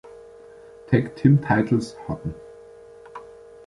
Tag Team Titles" hatten.